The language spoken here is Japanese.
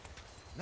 何？